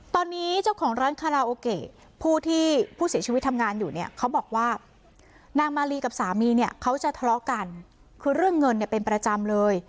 ตอนนี้เจ้าของร้านคาราโอเกะผู้ที่ผู้เสียชีวิตทำงานอยู่เนี่ยเขาบอกว่านางมาลีกับสามีเนี่ยเขาจะทะเลาะกันคือเรื่องเงินเนี่ยเป็นประจำเลย